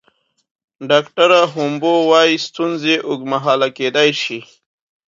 ډاکټره هومبو وايي ستونزې اوږدمهاله کیدی شي.